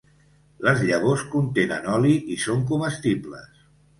Les llavors contenen oli i són comestibles.